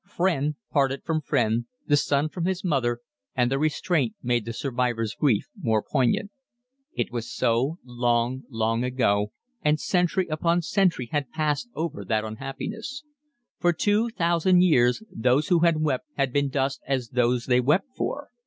Friend parted from friend, the son from his mother, and the restraint made the survivor's grief more poignant. It was so long, long ago, and century upon century had passed over that unhappiness; for two thousand years those who wept had been dust as those they wept for.